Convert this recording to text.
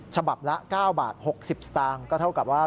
ฉบับละ๙บาท๖๐สตางค์ก็เท่ากับว่า